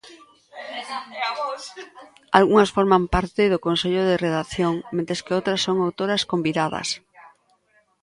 Algunhas forman parte do consello de redacción, mentres que outras son autoras convidadas.